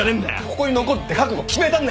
ここに残るって覚悟決めたんだよ。